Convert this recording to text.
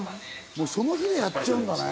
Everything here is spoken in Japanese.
もうその日にやっちゃうんだね。